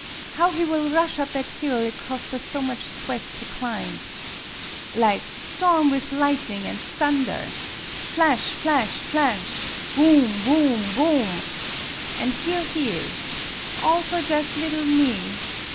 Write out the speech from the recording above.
How he will rush up that hill it cost us so much sweat to climb! Lig storm with lightening and thunder! Flash ! flash ! flash ! Bourn! bourn! bourn ! An' here he is all for jus' liddle me